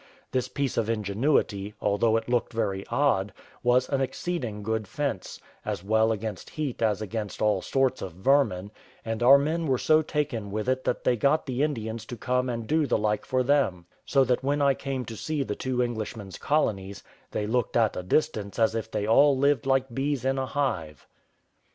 This piece of ingenuity, although it looked very odd, was an exceeding good fence, as well against heat as against all sorts of vermin; and our men were so taken with it that they got the Indians to come and do the like for them; so that when I came to see the two Englishmen's colonies, they looked at a distance as if they all lived like bees in a hive.